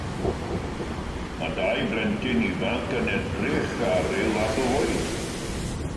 Mae dau blentyn ifanc yn edrych ar ryw fath o fwyd.